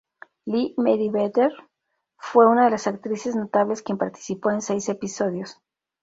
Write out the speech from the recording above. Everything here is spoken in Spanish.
Lee Meriwether fue una de las actrices notables, quien participó en seis episodios.